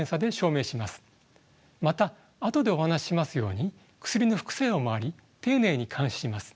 またあとでお話ししますように薬の副作用もあり丁寧に監視します。